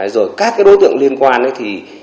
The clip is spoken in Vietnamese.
rồi các cái đối tượng liên quan ấy thì